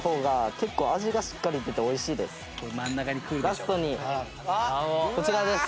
ラストにこちらです。